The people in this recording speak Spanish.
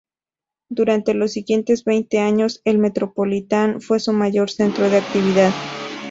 Durante los siguientes veinte años, el Metropolitan fue su mayor centro de actividad.